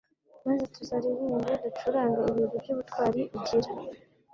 maze tuzaririmbe ducurange ibigwi by’ubutwari ugira